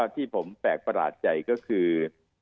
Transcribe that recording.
ที่ผมแปลกประหลาดใจก็คือ